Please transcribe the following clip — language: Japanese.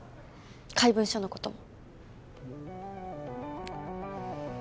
怪文書のことも。